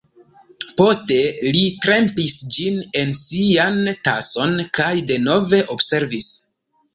Poste li trempis ĝin en sian tason, kaj denove observis.